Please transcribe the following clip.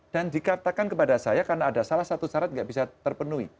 dan dikatakan kepada saya karena ada salah satu syarat yang tidak bisa terpenuhi